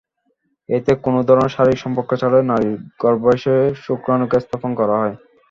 এতে কোনো ধরনের শারীরিক সম্পর্ক ছাড়াই নারীর গর্ভাশয়ে শুক্রাণুকে স্থাপন করা হয়।